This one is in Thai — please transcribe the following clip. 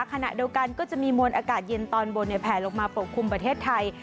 ขณะเดียวกันก็จะมีมวลอากาศเย็นตอนบนแผลลงมาปกคลุมประเทศไทย